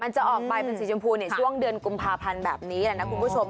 จะออกไปเป็นสีชมพูช่วงเดือนกุมภาพันธ์แบบนี้แหละนะคุณผู้ชม